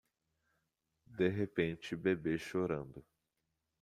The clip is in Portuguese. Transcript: De repente bebê chorando